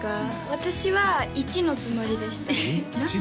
私は「１」のつもりでしたえっ？